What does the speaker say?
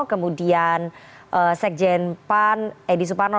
kemudian sekjen pan edi suparno